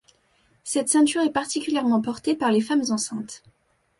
Cette ceinture est particulièrement portée par les femmes enceintes.